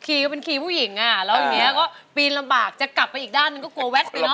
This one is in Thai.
คี่ก็เป็นคี่ผู้หญิงแล้วยังงี้ก็เปลี่ยนลำบากจะกลับไปอีกด้านต้องกลัวแวดไปเนอะ